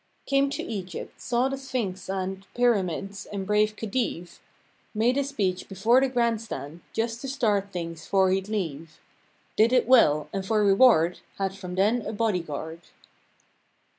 Came to Egypt; saw the Sphinx and Pyramids and brave Khedive. Made a speech before the grand stand. Just to start things 'fore he'd leave. Did it well, and for reward. Had from then a body guard.